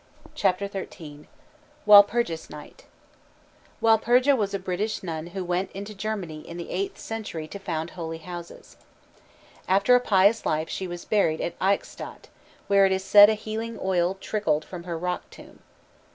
CHAPTER XIII WALPURGIS NIGHT Walpurga was a British nun who went to Germany in the eighth century to found holy houses. After a pious life she was buried at Eichstatt, where it is said a healing oil trickled from her rock tomb.